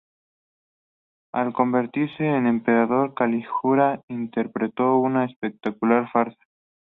Al convertirse en emperador, Calígula interpretó una espectacular farsa.